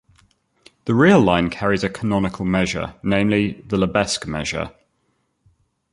The real line carries a canonical measure, namely the Lebesgue measure.